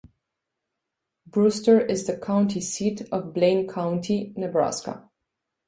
Brewster is the county seat of Blaine County, Nebraska.